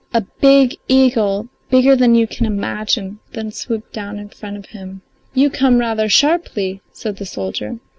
A big eagle bigger than you can imagine then swooped down in front of him. "You come rather sharply," said the soldier.